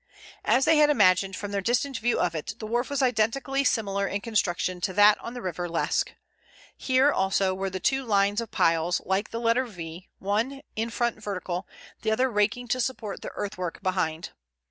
As they had imagined from their distant view of it, the wharf was identically similar in construction to that on the River Lesque. Here also were the two lines of piles like the letter V, one, in front vertical, the other raking to support the earthwork behind.